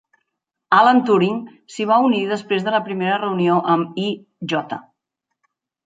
Alan Turing s'hi va unir després de la primera reunió amb I. J.